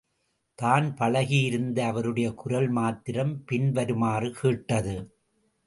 தான் பழகி யிருந்த அவருடைய குரல் மாத்திரம் பின்வருமாறு கேட்டது.